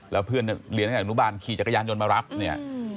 แล้วเพื่อนเรียนตั้งแต่อนุบาลขี่จักรยานยนต์มารับเนี่ย